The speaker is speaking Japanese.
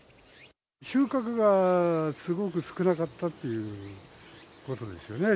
収穫がすごく少なかったということですよね。